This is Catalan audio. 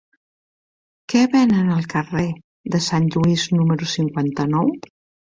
Què venen al carrer de Sant Lluís número cinquanta-nou?